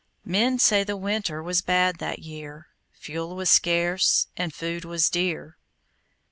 Men say the winter Was bad that year; Fuel was scarce, And food was dear.